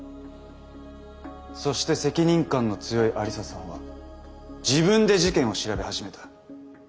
そして責任感の強い愛理沙さんは自分で事件を調べ始めた。